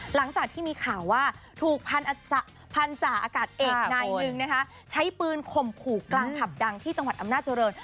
หลังจากที่มีข่าวว่าถูกพันธาอากาศเอกนายหนึ่งนะคะใช้ปืนข่มขู่กลางผับดังที่จังหวัดอำนาจริง